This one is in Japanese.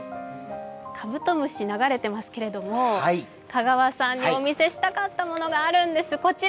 「カブトムシ」流れていますけれども、香川さんにお見せしたいものがあるんです。